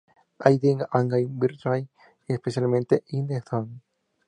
I Did It Again", "Britney" y, especialmente, "In the Zone".